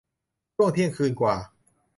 ช่วงเที่ยงคืนกว่า